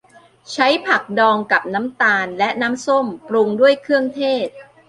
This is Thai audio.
ใช้ผักดองกับน้ำตาลและน้ำส้ม ปรุงด้วยเครื่องเทศ